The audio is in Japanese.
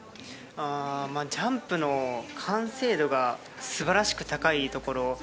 ジャンプの完成度が素晴らしく高いところ。